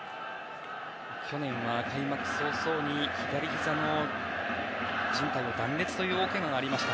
去年は開幕早々に左ひざのじん帯を断裂という大けががありました。